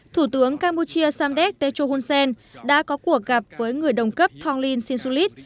thủ tướng camuchia samdek techo hunsen đã có cuộc gặp với người đồng cấp thonglin sinchulit